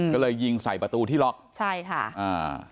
ก็เลยยิงใส่ประตูที่ล็อกใช่ค่ะอ่า